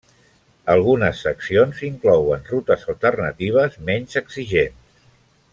Algunes seccions inclouen rutes alternatives menys exigents.